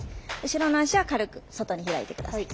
後ろの足は軽く外に開いて下さい。